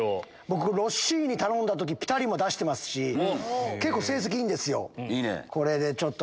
僕ロッシーニ頼んだ時ピタリも出してますし結構成績いいんですよ。